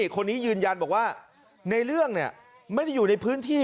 คนนี้ยืนยันบอกว่าในเรื่องไม่ได้อยู่ในพื้นที่